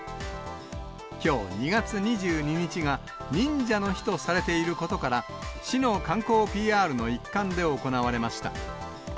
きょう２月２２日が、忍者の日とされていることから、市の観光ＰＲの一環で行われました。